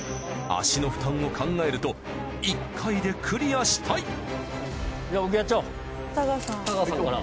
足の負担を考えると１回でクリアしたい。